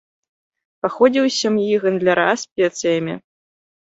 Паходзіў з сям'і гандляра спецыямі.